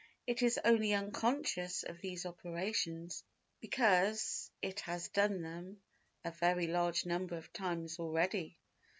. It is only unconscious of these operations because it has done them a very large number of times already.